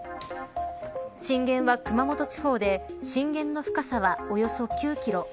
震源は熊本地方で震源の深さはおよそ９キロ。